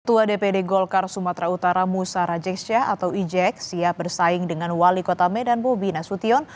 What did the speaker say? tua dpd golkar sumatra utara musa rajeksya atau ijec siap bersaing dengan wali kotame dan bobi nasution